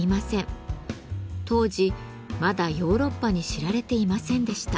当時まだヨーロッパに知られていませんでした。